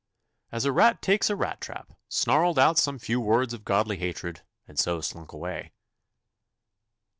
'As a rat takes a rat trap. Snarled out some few words of godly hatred, and so slunk away.